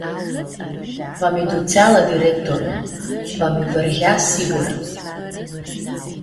Va mi-dutsea la directorlu, va mi vãryea, siyura.